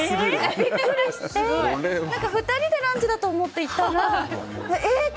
２人でランチだと思って行ったらえっ！